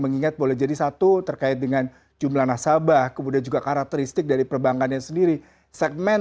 mengingat boleh jadi satu terkait dengan jumlah nasabah kemudian juga karakteristik dari perbankannya sendiri segmen